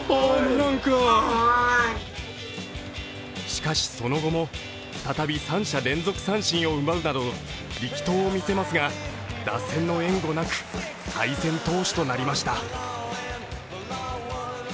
しかし、その後も再び三者連続三振を奪うなど力投を見せますが、打線の援護なく敗戦投手となりました。